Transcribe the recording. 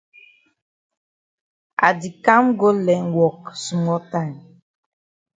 I di kam go learn wok small time.